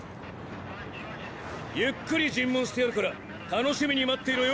ゆっくり尋問してやるから楽しみに待っていろよ。